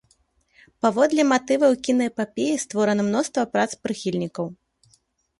Паводле матываў кінаэпапеі створана мноства прац прыхільнікаў.